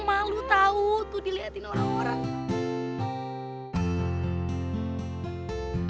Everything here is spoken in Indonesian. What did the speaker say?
malu tau tuh diliatin orang orang